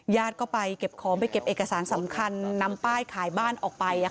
ญาติก็ไปเก็บของไปเก็บเอกสารสำคัญนำป้ายขายบ้านออกไป